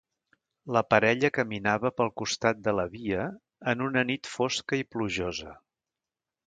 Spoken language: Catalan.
La parella caminava pel costat de la via en una nit fosca i plujosa.